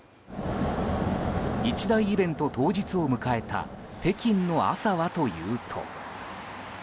一大イベント当日を迎えた北京の朝はというと。